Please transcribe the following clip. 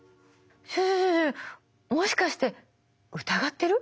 ちょちょもしかして疑ってる？